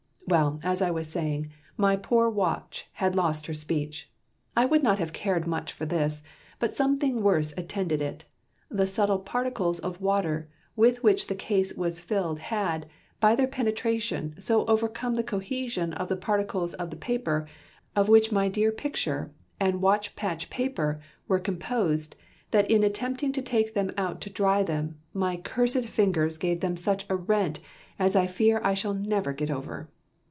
"Well, as I was saying, my poor watch had lost her speech. I would not have cared much for this, but something worse attended it the subtle particles of water with which the case was filled had, by their penetration, so overcome the cohesion of the particles of the paper, of which my dear picture, and watch patch paper, were composed, that in attempting to take them out to dry them, my cursed fingers gave them such a rent as I fear I shall never get over.